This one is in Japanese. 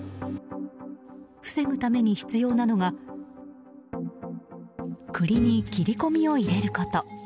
防ぐために必要なのが栗に切り込みを入れること。